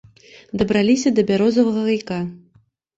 Дабраліся да бярозавага гайка.